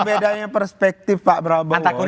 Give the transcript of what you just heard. ini berbedanya perspektif pak prabowo anta guk ni